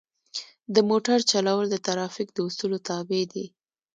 د موټر چلول د ترافیک د اصولو تابع دي.